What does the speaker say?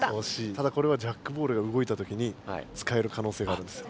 ただこれはジャックボールが動いたときに使えるかのうせいがあるんですよ。